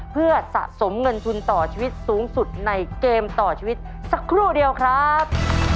เพื่อสะสมเงินทุนต่อชีวิตสูงสุดในเกมต่อชีวิตสักครู่เดียวครับ